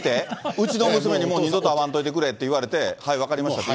うちの娘にもう二度と会わんといてくれって言われて、はい、分かりましたって？